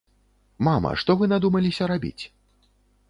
Мама, што вы надумаліся рабіць?